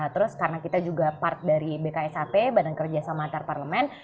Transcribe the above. terus karena kita juga part dari bksap badan kerja samantar parlemen